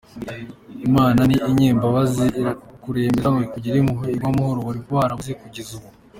Imana ni Inyembabazi, irakurembuza ngo ikugirire impuhwe iguhe amahoro wari warabuze kugeza ubu.